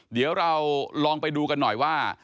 เดี๋ยวเราลองไปดูกันหน่อยว่า